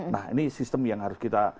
nah ini sistem yang harus kita